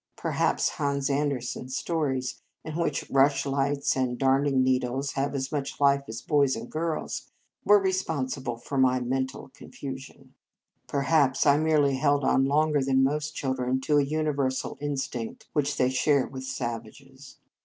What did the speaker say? Perhaps Hans Andersen s stories, in which rush lights and darning needles have as much life as boys and girls, were responsible for my mental confusion. 179 In Our Convent Days Perhaps I merely held on longer than most children to a universal instinct which they share with savages.